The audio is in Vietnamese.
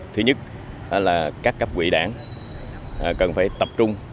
thứ nhất là các cấp quỹ đảng cần phải tập trung